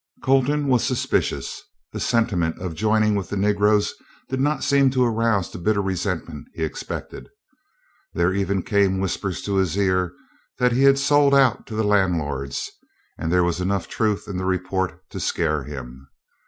Colton was suspicious. The sentiment of joining with the Negroes did not seem to arouse the bitter resentment he expected. There even came whispers to his ears that he had sold out to the landlords, and there was enough truth in the report to scare him.